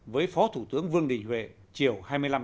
với phó thủ tướng vương đình huệ chiều hai mươi năm tháng tám